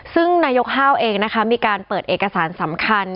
ซึ่งนายกห้าวเองนะคะมีการเปิดเอกสารสำคัญ